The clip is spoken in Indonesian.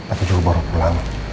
aku juga baru pulang